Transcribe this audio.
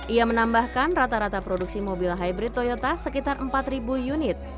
ia menambahkan rata rata produksi mobil hybrid toyota sekitar empat unit